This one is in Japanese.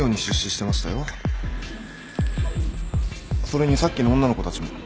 それにさっきの女の子たちも。